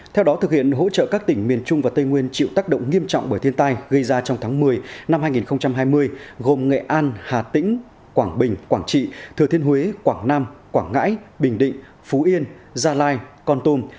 theo đó thực hiện hỗ trợ các tỉnh miền trung và tây nguyên chịu tác động nghiêm trọng bởi thiên tai gây ra trong tháng một mươi năm hai nghìn hai mươi gồm nghệ an hà tĩnh quảng bình quảng trị thừa thiên huế quảng nam quảng ngãi bình định phú yên gia lai con tum